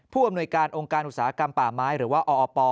อำนวยการองค์การอุตสาหกรรมป่าไม้หรือว่าออป